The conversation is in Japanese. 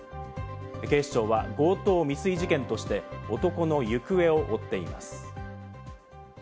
警視庁は強盗未遂事件として、男の行方を追っています。